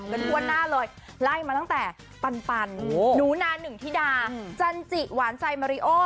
ทั่วหน้าเลยไล่มาตั้งแต่ปันหนูนาหนึ่งธิดาจันจิหวานใจมาริโอ